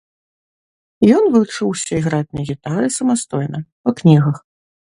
Ён вучыўся іграць на гітары самастойна, па кнігах.